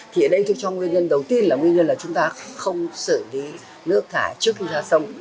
thì ở đây tôi cho nguyên nhân đầu tiên là nguyên nhân là chúng ta không xử lý nước thải trước khi ra sông